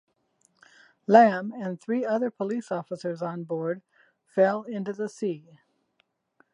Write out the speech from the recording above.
Lam and three other police officers on board fell into the sea.